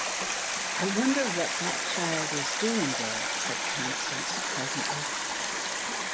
'I wonder what that child was doing there,' said Constance presently.